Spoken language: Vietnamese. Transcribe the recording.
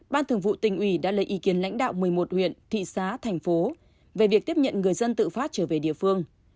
ban thường vụ tỉnh ủy đã lấy ý kiến lãnh đạo một mươi một huyện thị xã thành phố về việc tiếp nhận người dân tự phát trở về địa phương